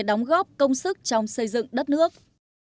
đóng góp công sức trong xây dựng đất nước